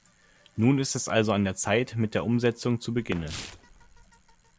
Nun ist es also an der Zeit, mit der Umsetzung zu beginnen.